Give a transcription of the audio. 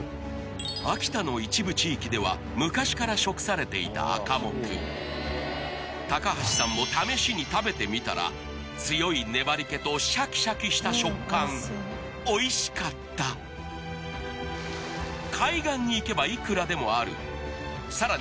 私のおやじがアカモク橋さんも試しに食べてみたら強い粘り気とシャキシャキした食感おいしかった海岸に行けばいくらでもあるさらに